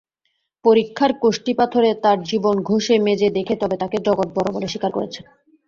পরীক্ষার কষ্টিপাথরে তার জীবন ঘষে মেজে দেখে তবে তাকে জগৎ বড় বলে স্বীকার করেছে।